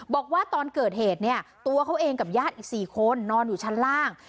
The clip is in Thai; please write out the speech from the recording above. บอกว่าตอนเกิดเหตุเนี่ยตัวเขาเองกับญาติอีก๔คนนอนอยู่ชั้นล่าง